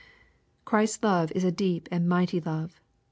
Christ's love is a deep and mighty love.